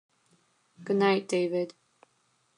Good night, David.